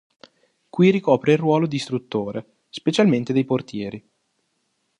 Qui ricopre il ruolo di istruttore, specialmente dei portieri.